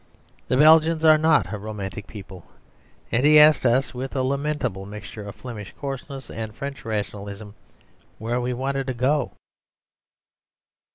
The Belgians are not a romantic people, and he asked us (with a lamentable mixture of Flemish coarseness and French rationalism) where we wanted to go.